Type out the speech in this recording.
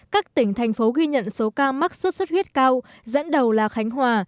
các tỉnh thành phố ghi nhận số ca mắc sốt xuất huyết cao dẫn đầu là khánh hòa